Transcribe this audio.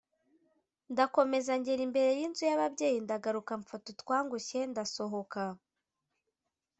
ndakomeza ngera imbere y’inzu y’ababyeyi ndagaruka mfata utwangushye ndasohoka